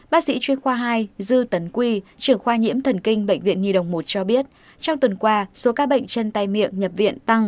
bác sĩ chuyên khoa hai dư tấn quy trưởng khoa nhiễm thần kinh bệnh viện nhi đồng một cho biết trong tuần qua số các bệnh chân tay miệng nhập viện tăng